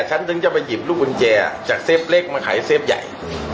ฉันถึงจะไปหยิบลูกกุญแจจากเซฟเล็กมาขายเซฟใหญ่